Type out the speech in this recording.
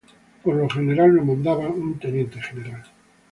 Por lo general era mandado por un teniente general.